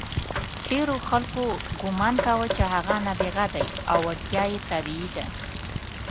ډېرو خلکو ګمان کاوه چې هغه نابغه دی او وړتیا یې طبیعي ده.